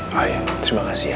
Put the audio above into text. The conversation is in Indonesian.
oh iya terima kasih ya